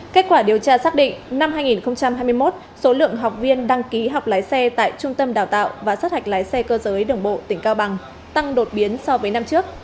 kết quả điều tra xác định năm hai nghìn hai mươi một số lượng học viên đăng ký học lái xe tại trung tâm đào tạo và sát hạch lái xe cơ giới đường bộ tỉnh cao bằng tăng đột biến so với năm trước